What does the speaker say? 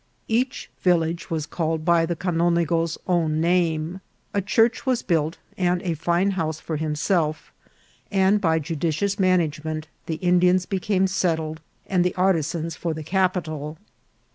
Each village was called by the canonigo's own name. A church was built, and a fine house for himself, and by judicious management the Indians became settled and the artisans for the cap ital.